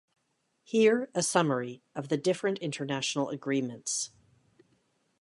Here a summary of the different international agreements.